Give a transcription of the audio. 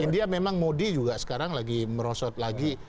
india memang modi juga sekarang lagi merosot lagi